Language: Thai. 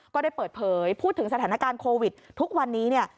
ก็ได้เปิดเผยพูดถึงสถานการณ์โควิดทุกวันนี้เนี่ย